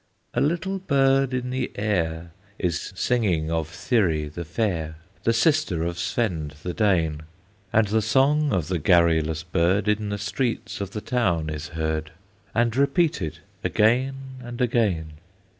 A little bird in the air Is singing of Thyri the fair, The sister of Svend the Dane; And the song of the garrulous bird In the streets of the town is heard, And repeated again and again.